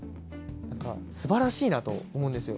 何かすばらしいなと思うんですよ。